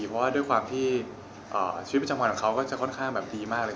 เพราะว่าด้วยความที่ชีวิตประจำวันของเขาก็จะค่อนข้างแบบดีมากเลย